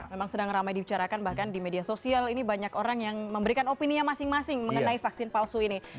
memang sedang ramai dibicarakan bahkan di media sosial ini banyak orang yang memberikan opinia masing masing mengenai vaksin palsu ini